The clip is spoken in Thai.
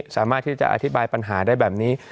สามารถที่จะอธิบายปัญหาได้แบบนี้